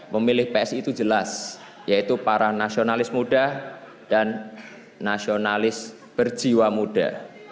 pemilih psi itu jelas yaitu para nasionalis muda dan nasionalis berjiwa muda